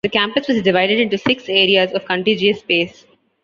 The campus was divided into six areas of contiguous space.